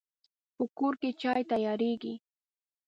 په کور کې چای تیاریږي